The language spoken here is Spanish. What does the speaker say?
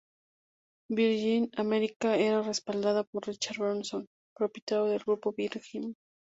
Virgin America era respaldada por Richard Branson, propietario del grupo Virgin.